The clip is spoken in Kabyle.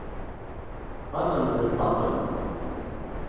Baṭel d lbaṭel.